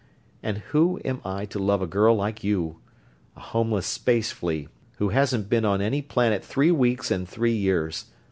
And who am I to love a girl like you? A homeless space flea who hasn't been on any planet three weeks in three years.